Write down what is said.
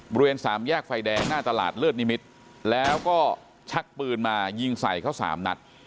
บริเวณสามแยกไฟแดงหน้าตลาดเลิศนิมิตรแล้วก็ชักปืนมายิงใส่เขาสามนัด